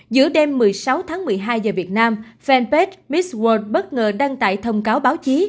giữa đêm một mươi sáu tháng một mươi hai giờ việt nam fanpage mis world bất ngờ đăng tải thông cáo báo chí